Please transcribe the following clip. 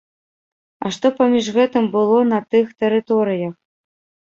А што паміж гэтым было на тых тэрыторыях?